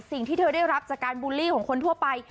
สิ่งที่เธอได้รับจากการบูลลี่ของคนทั่วไป